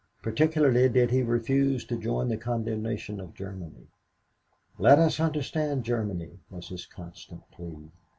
Particularly did he refuse to join the condemnation of Germany. Let us understand Germany, was his constant plea.